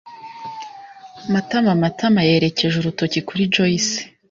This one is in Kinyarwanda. [Matama] Matama yerekeje urutoki kuri Joyci.